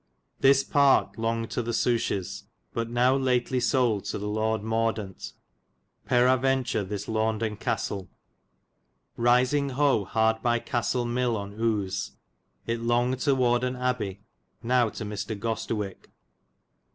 This parke longgid to the Souches, but now lately sold to the Lord Mordant Peraventure this Launden Castel. Risingho hard by Castel Mille on Use. It longgid to Wardon Abbay, now to Mr. Gostewik.